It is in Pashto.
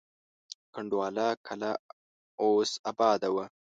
کنډواله کلا اوس اباده وه.